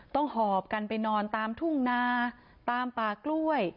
หอบกันไปนอนตามทุ่งนาตามป่ากล้วย